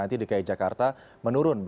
di dki jakarta menurun